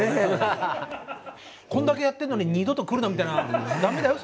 こんだけやってるのに二度と来るなみたいなダメだよ